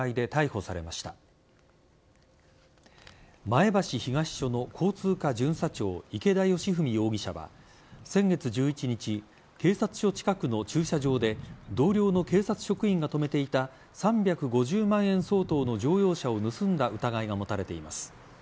前橋東署の交通課巡査長池田佳史容疑者は先月１１日警察署近くの駐車場で同僚の警察職員が止めていた３５０万円相当の乗用車を盗んだ疑いが持たれています。